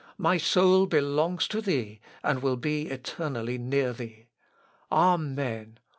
My soul belongs to thee, and will be eternally near thee.... Amen....